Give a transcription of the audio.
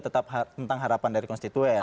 tetap tentang harapan dari konstituen